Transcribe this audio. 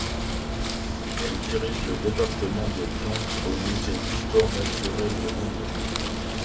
Elle dirige le département des plantes au musée d'histoire naturelle de Londres.